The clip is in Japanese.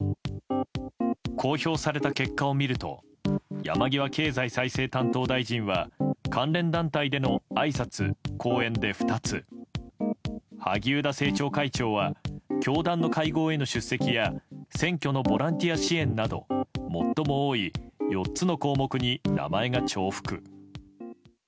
公表された結果を見ると山際経済再生担当大臣は関連団体でのあいさつ・講演で２つ萩生田政調会長は教団の会合への出席や選挙のボランティア支援など最も多い４つの項目に名前が重複。